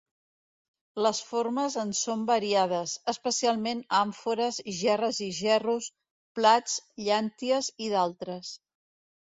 Les formes en són variades, especialment àmfores, gerres i gerros, plats, llànties i d'altres.